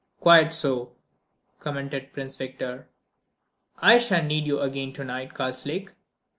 "Quite so," commented Prince Victor. "I shan't need you again to night, Karslake."